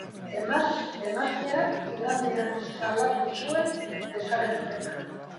Emazteak igandean salatu zuen desagerpena.